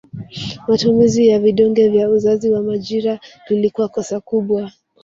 Matumizi ya vidonge vya uzazi wa majira lilikuwa kosa kubwa